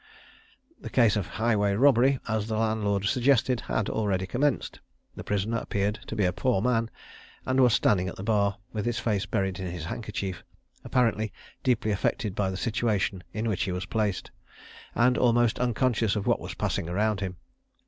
The case of highway robbery, as the landlord suggested, had already commenced; the prisoner appeared to be a poor man, and was standing at the bar, with his face buried in his handkerchief, apparently deeply affected by the situation in which he was placed, and almost unconscious of what was passing around him.